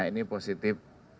jadi ada empat orang